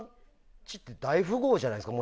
家って大富豪じゃないですか。